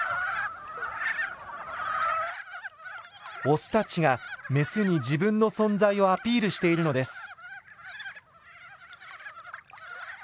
オスたちがメスに自分の存在をアピールしているのです。